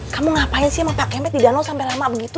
kamu ngapain sih sama pak kemet di danau sampai lama begitu